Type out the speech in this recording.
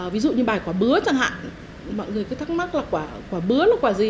ví dụ như bài quả bứa chẳng hạn mọi người cứ thắc mắc là quả bứa nó quả gì